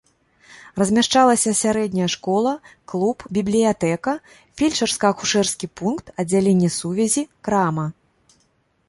Размяшчаліся сярэдняя школа, клуб, бібліятэка, фельчарска-акушэрскі пункт, аддзяленне сувязі, крама.